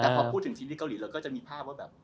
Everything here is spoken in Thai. แต่พอพูดถึงทีมที่เกาหลีเราก็จะมีภาพว่าแบบ